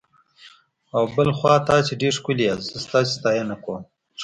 او بل خوا تاسي ډېر ښکلي یاست، زه ستاسي ستاینه کوم.